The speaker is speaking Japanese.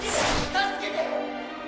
助けて！